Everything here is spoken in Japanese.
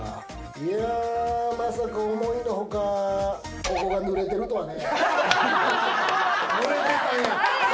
いや、まさか思いの外、ここが濡れてるとはね。